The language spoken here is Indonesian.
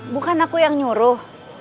bukan aku yang nyuruh